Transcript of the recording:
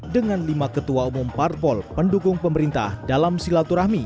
dengan lima ketua umum parpol pendukung pemerintah dalam silaturahmi